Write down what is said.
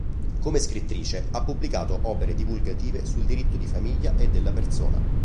Come scrittrice ha pubblicato opere divulgative sul diritto di famiglia e della persona.